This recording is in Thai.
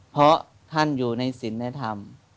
เพราะท่านอยู่ในศิลธรรม